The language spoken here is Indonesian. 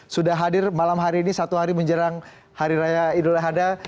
sudah hadir malam hari ini satu hari menjelang hari raya idul adha